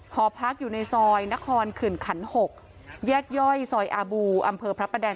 หอพักอยู่ในซอยนครขื่นขัน๖แยกย่อยซอยอาบูอำเภอพระประแดง